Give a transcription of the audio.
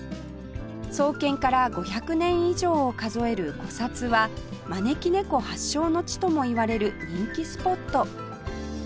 創建から５００年以上を数える古刹は招き猫発祥の地ともいわれる人気スポット